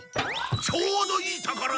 ちょうどいいところへ来た！